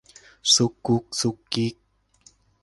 ซุกกุ๊กซิกกิ๊ก